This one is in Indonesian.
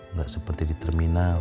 nggak seperti di terminal